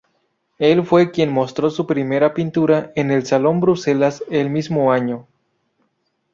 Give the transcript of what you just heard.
Él fue quien mostró su primera pintura en el Salón Bruselas el mismo año.